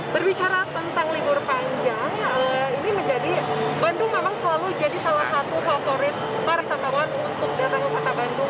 berbicara tentang libur panjang ini menjadi bandung memang selalu jadi salah satu favorit para wisatawan untuk datang ke kota bandung